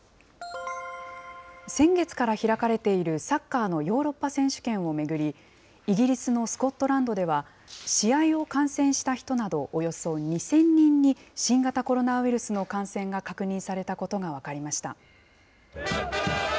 先月から開かれているサッカーのヨーロッパ選手権を巡り、イギリスのスコットランドでは、試合を観戦した人など、およそ２０００人に、新型コロナウイルスの感染が確認されたことが分かりました。